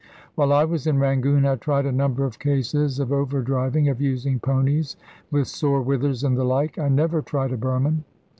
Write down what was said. While I was in Rangoon I tried a number of cases of over driving, of using ponies with sore withers and the like. I never tried a Burman.